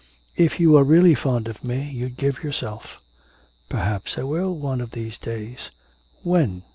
'If you were really fond of me, you'd give yourself.' 'Perhaps I will one of these days.' 'When...